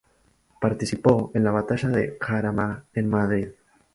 Participó en la Batalla del Jarama en Madrid.